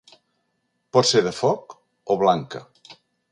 Pot ser de foc o blanca.